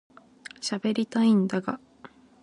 しゃべりたいんだが